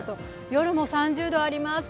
夜も３０度あります。